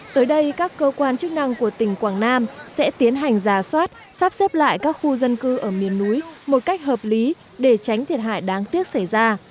tới đây các cơ quan chức năng của tỉnh quảng nam sẽ tiến hành giả soát sắp xếp lại các khu dân cư ở miền núi một cách hợp lý để tránh thiệt hại đáng tiếc xảy ra